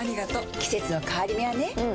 季節の変わり目はねうん。